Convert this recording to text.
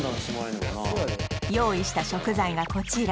用意した食材がこちら！